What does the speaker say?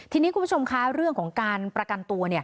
ทีนี้คุณผู้ชมคะเรื่องของการประกันตัว